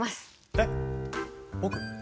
えっ僕？